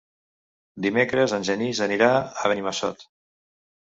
Dimecres en Genís anirà a Benimassot.